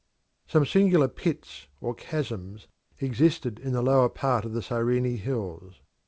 Some singular pits or chasms existed in the lower part of the Cyrene hills.